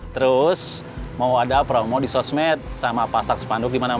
terus mau ada promo di social media sama pasta sepanduk dimana mana